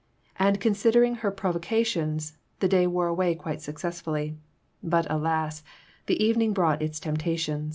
And, considering her prov ocations, the day wore away quite successfully; but alas ! the evening brought its temptation.